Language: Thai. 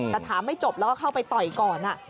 แต่ถามไม่จบแล้วก็เข้าไปต่อยก่อน